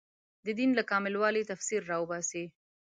د دین له کامل والي تفسیر راوباسي